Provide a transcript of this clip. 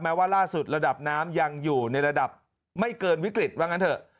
ว่าล่าสุดระดับน้ำยังอยู่ในระดับไม่เกินวิกฤตว่างั้นเถอะ